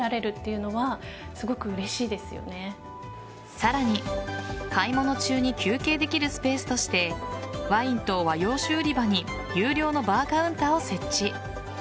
さらに、買い物中に休憩できるスペースとしてワインと和洋酒売り場に有料のバーカウンターを設置。